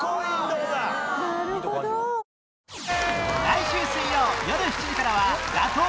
来週水曜よる７時からは打倒